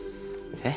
えっ？